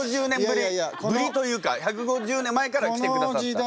「ぶり」というか１５０年前から来てくださった。